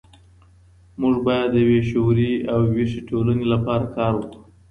موږ بايد د يوې شعوري او ويښې ټولني لپاره کار وکړو.